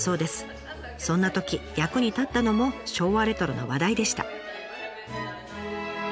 そんなとき役に立ったのも昭和レトロの話題でした。